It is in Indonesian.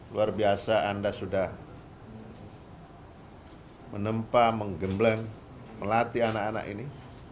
luar biasa anda sudah menempa menggembleng melatih anak anak ini